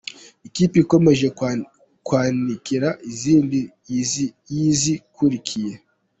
Ikipe ikomeje kwanikira izindi ziyikurikiye